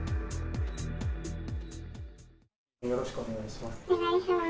よろしくお願いします。